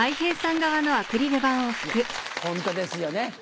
ホントですよね。